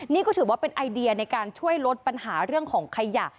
นี่ก็ถือว่าเป็นไอเดียในการช่วยลดปัญหาเรื่องของขยะ